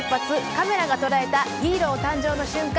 カメラが捉えたヒーロー誕生の瞬間